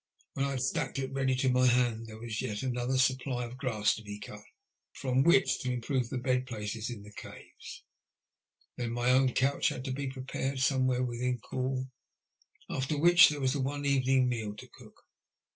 When I had stacked it ready to my hand there was yet another supply of grass to be cut, with which to improve the bed places in the cave. Then my own couch had to be prepared somewhere within call. After which there was the evening meal to cook.